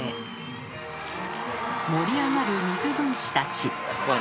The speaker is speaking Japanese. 盛り上がる水分子たち。